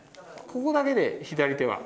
ここだけで左手は。